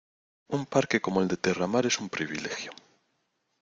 Un parque como el de Terramar es un privilegio.